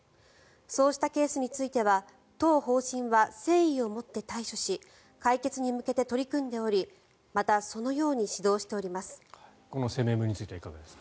そうしたケースについては当法人は誠意を持って対処し解決に向けて取り組んでおりまたそのように指導しております。